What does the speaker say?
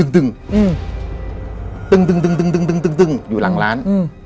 ตึ้งอยู่หลังร้าน